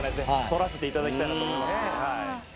とらせていただきたいなと思いますねはい。